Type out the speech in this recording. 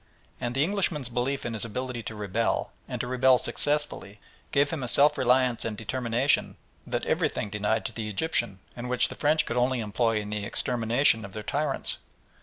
And the Englishman's belief in his ability to rebel, and to rebel successfully, gave him a self reliance and determination that everything denied to the Egyptian, and which the French could only employ in the extermination of their tyrants.